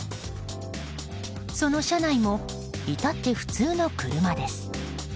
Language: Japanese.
その車内もいたって普通の車です。